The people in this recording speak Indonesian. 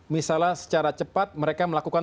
misalnya secara cepat mereka melakukan